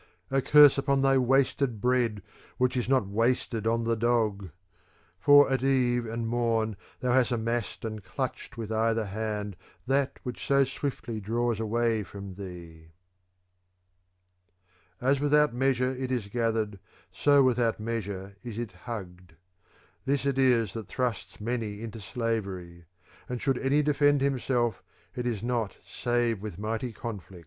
A curse upon thy wasted bread which is not wasted on the dog ! For at eve and morn thou hast amassed and clutched with either hand that which so swiftly draws away from thee. V As without measure it is gathered so without measure is it hugged. This it is that thrusts many into slavery : and should any defend himself it is not save with mighty conflict.